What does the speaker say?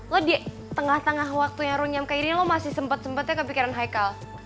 lo di tengah tengah waktunya runyam kayak gini lo masih sempet sempetnya kepikiran haikal